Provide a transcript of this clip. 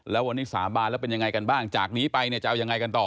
แล้ววันนี้สาบานแล้วเป็นยังไงกันบ้างจากนี้ไปเนี่ยจะเอายังไงกันต่อ